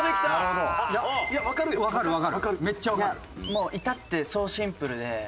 もう至ってソーシンプルで